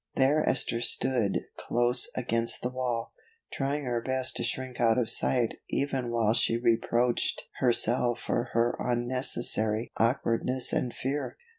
There Esther stood close against the wall, trying her best to shrink out of sight even while she reproached herself for her unnecessary awkwardness and fear.